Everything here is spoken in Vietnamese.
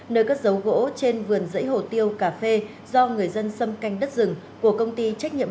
nơi cất dấu gỗ trên vườn rẫy hồ tiêu cà phê do người dân xâm canh đất rừng của công ty trách nhiệm